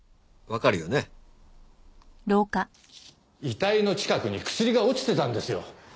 遺体の近くに薬が落ちてたんですよ。